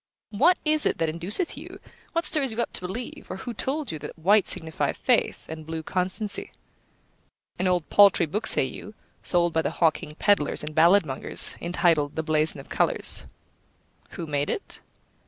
What is it that induceth you, what stirs you up to believe, or who told you that white signifieth faith, and blue constancy? An old paltry book, say you, sold by the hawking pedlars and balladmongers, entitled The Blason of Colours. Who made it?